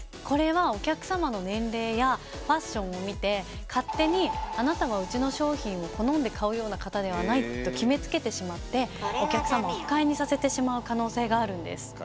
これはお客様の年齢やファッションを見て勝手に「あなたはうちの商品を好んで買うような方ではない」と決めつけてしまってお客様を不快にさせてしまう可能性があるんです。